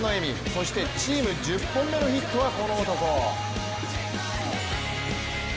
そしてチーム１０本目のヒットはこの男。